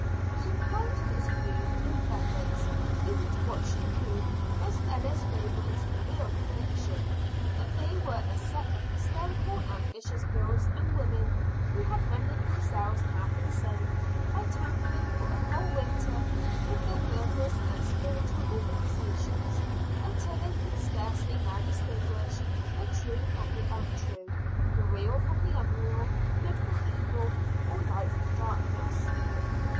She inclined to this view in preference even to what she knew was Ellis Raymond's real conviction, that they were a set of hysterical and vicious girls and women who had rendered themselves half insane by tampering for a whole winter with their nervous and spiritual organizations; until they could scarcely now distinguish the true from the untrue, the real from the unreal, good from evil, or light from darkness.